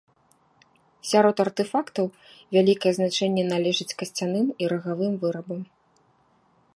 Сярод артэфактаў вялікае значэнне належыць касцяным і рагавым вырабам.